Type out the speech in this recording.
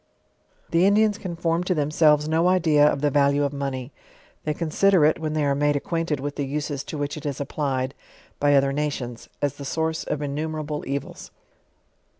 The Indians can form to themselves no idea of the value of money; they consider it, when they are made acquainted with the uses to which it is applied, by other nations, as the source of innumerable evils.